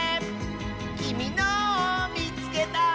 「きみのをみつけた！」